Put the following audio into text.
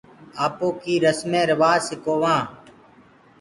آپوڪيٚ رَسمين روآجَ سِڪووآنٚ۔